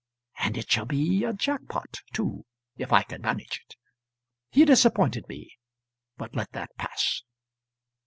And it shall be a jack pot, too, if I can manage it. He disappointed me, but let that pass."